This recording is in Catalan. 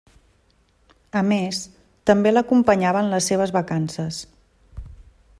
A més, també l'acompanyava en les seves vacances.